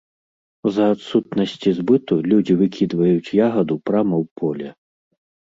З-за адсутнасці збыту людзі выкідваюць ягаду прама ў поле.